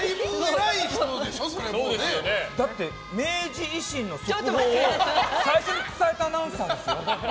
だって、明治維新の速報を最初に伝えたアナウンサーですよ。